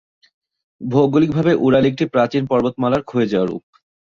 ভৌগোলিকভাবে উরাল একটি প্রাচীন পর্বতমালার ক্ষয়ে যাওয়া রূপ।